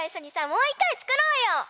もう１かいつくろうよ！